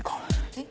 えっ？